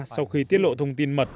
sau khi tiết lộ thông tin mật